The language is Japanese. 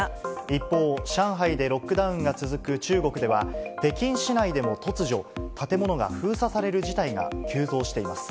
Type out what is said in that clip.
一方、上海でロックダウンが続く中国では、北京市内でも突如、建物が封鎖される事態が急増しています。